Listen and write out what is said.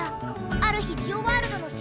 ある日ジオワールドのシンボル